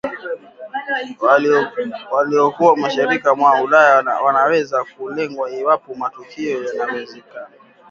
walioko mashariki mwa Ulaya wanaweza kulengwa iwapo matukio yanaongezeka